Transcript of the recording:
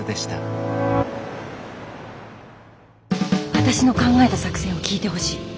私の考えた作戦を聞いてほしい。